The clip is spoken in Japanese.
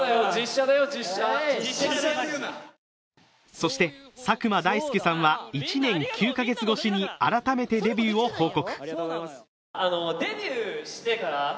そして佐久間大介さんは１年９カ月越しに改めてデビューを報告。